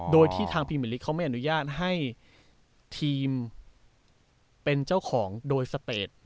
โดยที่ทางพรีเมอร์ลิกเขาไม่อนุญาตให้ทีมเป็นเจ้าของโดยสเตจ